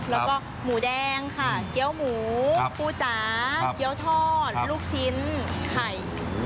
แล้วก็หมูแดงค่ะเกี้ยวหมูปูจ๋าเกี้ยวทอดลูกชิ้นไข่